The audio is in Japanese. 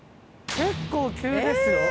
結構急ですよ。